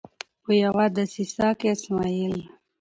په یوه دسیسه کې د اسمعیل